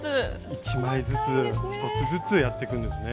１枚ずつ１つずつやっていくんですね。